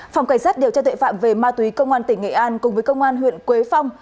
phòng cảnh sát điều tra tuệ phạm về ma túy công an tỉnh nghệ an cùng với công an huyện quế phong